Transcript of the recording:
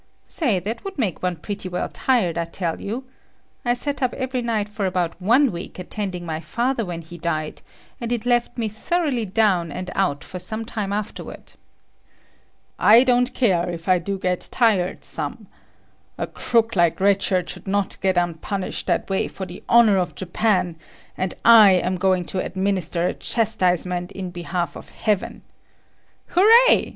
"Say, that would make one pretty well tired, I tell you. I sat up every night for about one week attending my father when he died, and it left me thoroughly down and out for some time afterward." "I don't care if I do get tired some. A crook like Red Shirt should not go unpunished that way for the honor of Japan, and I am going to administer a chastisement in behalf of heaven." "Hooray!